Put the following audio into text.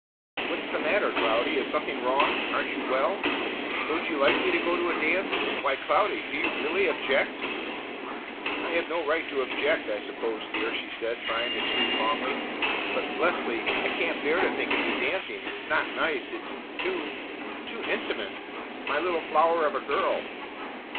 "What's the matter, Cloudy? Is something wrong? Aren't you well? Don't you like me to go to a dance? Why, Cloudy! Do you really object?" "I have no right to object, I suppose, dear," she said, trying to speak calmly; "but Leslie, I can't bear to think of you dancing; it's not nice. It's too too intimate! My little flower of a girl!"